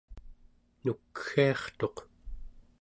nukgiartuq